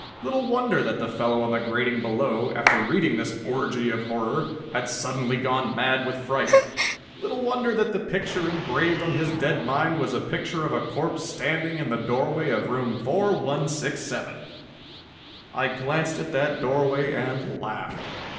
Little wonder that the fellow on the grating below, after reading this orgy of horror, had suddenly gone mad with fright. Little wonder that the picture engraved on his dead mind was a picture of a corpse standing in the doorway of room 4167! I glanced at that doorway and laughed.